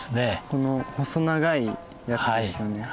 この細長いやつですよね。